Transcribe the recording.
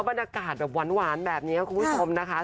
บรรยากาศแบบหวานแบบนี้คุณผู้ชมนะคะ